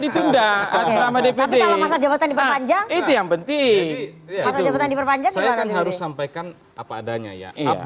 ditunda sama dpd jawabannya itu yang penting diperpanjang harus sampaikan apa adanya ya update